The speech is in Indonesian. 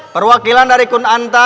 perwakilan dari kunanta